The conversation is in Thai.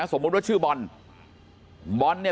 มันต้องการมาหาเรื่องมันจะมาแทงนะ